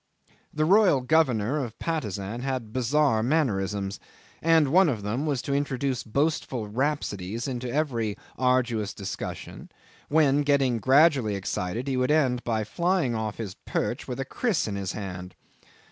The royal governor of Patusan had bizarre mannerisms, and one of them was to introduce boastful rhapsodies into every arduous discussion, when, getting gradually excited, he would end by flying off his perch with a kriss in his hand.